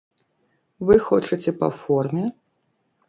Вы хочаце па форме?